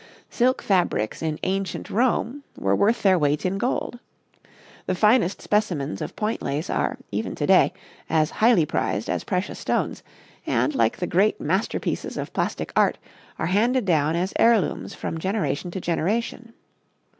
Silk fabrics in ancient Rome were worth their weight in gold. The finest specimens of point lace are, even to day, as highly prized as precious stones, and, like the great masterpieces of plastic art, are handed down as heirlooms from generation to generation.